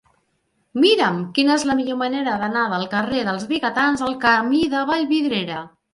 Mira'm quina és la millor manera d'anar del carrer dels Vigatans al camí de Vallvidrera.